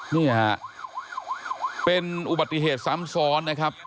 นี่ฮะเป็นอุบัติเหตุซ้ำซ้อนนะครับ